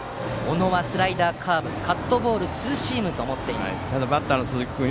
小野はスライダー、カーブカットボール、ツーシームと持っています。